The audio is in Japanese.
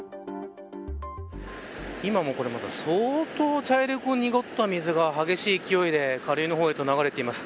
今も相当まだ茶色く濁った水が激しい勢いで下流の方へと流れています。